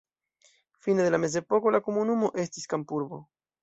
Fine de la mezepoko la komunumo estis kampurbo.